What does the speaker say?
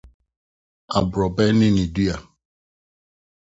Aborɔbɛ ne Ne Dua